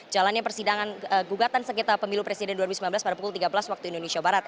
jalannya persidangan gugatan sekitar pemilu presiden dua ribu sembilan belas pada pukul tiga belas waktu indonesia barat